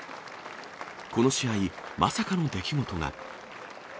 この試合、まさかの出来事が。